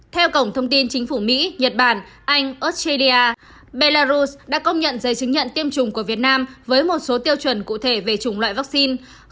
theo cổng thông tin chính phủ mỹ nhật bản anh australia belarus đã công nhận giấy chứng nhận tiêm chủng của việt nam với một số tiêu chuẩn cụ thể về chủng loại vaccine